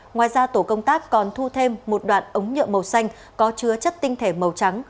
ngoài ra tổ công tác còn thu thêm một đoạn ống nhựa màu xanh có chứa chất tinh thể màu trắng